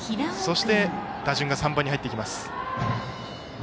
そして、打順が３番に入っていきます。